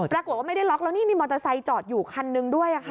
ปรากฏว่าไม่ได้ล็อกแล้วนี่มีมอเตอร์ไซค์จอดอยู่คันนึงด้วยค่ะ